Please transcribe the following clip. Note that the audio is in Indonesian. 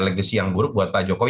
legacy yang buruk buat pak jokowi